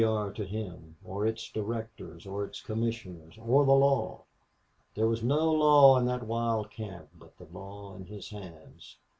R. to him, or its directors, or its commissioners, or the law? There was no law in that wild camp but the law in his hands.